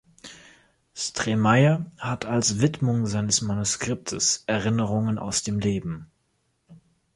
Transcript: Stremayr hat als Widmung seines Manuskriptes "Erinnerungen aus dem Leben.